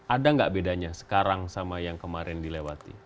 ada nggak bedanya sekarang sama yang kemarin dilewati